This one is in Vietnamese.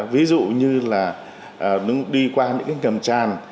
ví dụ như là đi qua những cái ngầm tràn